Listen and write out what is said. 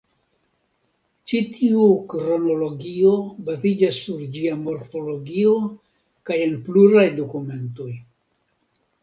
Ĉi tiu kronologio baziĝas sur ĝia morfologio kaj en pluraj dokumentoj.